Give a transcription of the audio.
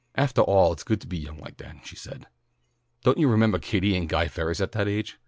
"Aftah all, it's good to be young like that," she said. "Don't you remembah Kitty and Guy Ferris at that age?